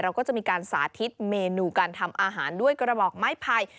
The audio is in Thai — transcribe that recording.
เราก็จะมีการสาธิตเมนูการทำอาหารด้วยกระบอกไม้ไผ่